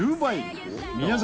宮崎